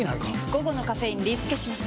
午後のカフェインリスケします！